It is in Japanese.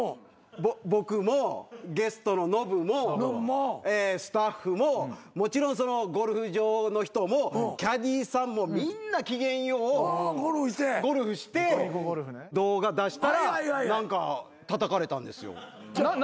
僕もゲストのノブもスタッフももちろんゴルフ場の人もキャディーさんもみんな機嫌良うゴルフして動画出したら何かたたかれたんですよ。